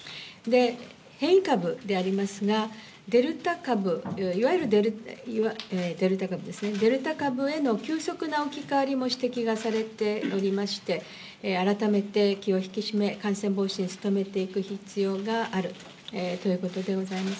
変異株でありますがデルタ株への急速な置き換わりも指摘されていまして改めて気を引き締め感染防止に努める必要があるということでございます。